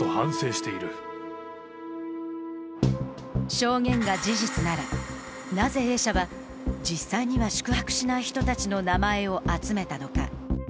証言が事実なら、なぜＡ社は実際には宿泊しない人たちの名前を集めたのか。